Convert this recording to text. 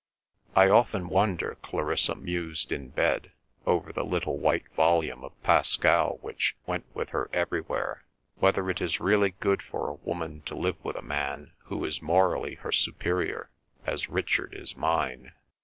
"I often wonder," Clarissa mused in bed, over the little white volume of Pascal which went with her everywhere, "whether it is really good for a woman to live with a man who is morally her superior, as Richard is mine.